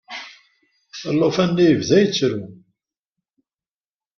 Alufan-nni yebda yettru.